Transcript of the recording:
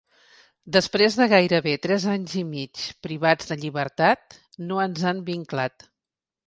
Després de gairebé tres anys i mig privats de llibertat, no ens han vinclat.